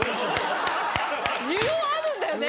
需要あるんだよね？